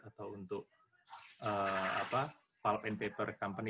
atau untuk park and paper company